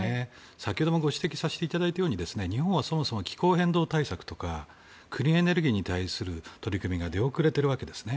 先ほども指摘させていただいたように日本は気候変動対策とかクリーンエネルギーに対する取り組みが出遅れているわけですね。